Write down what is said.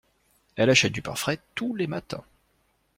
Elle achète du pain frais tous les matins.